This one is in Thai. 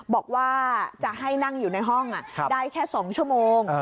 บอกว่าจะให้นั่งอยู่ในห้องได้แค่๒ชั่วโมง